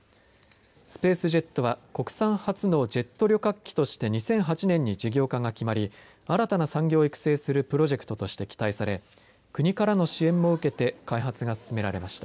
スペースジェットは国産初のジェット旅客機として２００８年に事業化が決まり新たな産業を育成するプロジェクトとして期待され国からの支援も受けて開発が進められました。